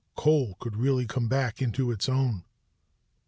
Coal could really come back into its own.